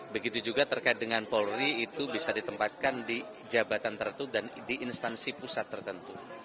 begitu juga terkait dengan polri itu bisa ditempatkan di jabatan tertentu dan di instansi pusat tertentu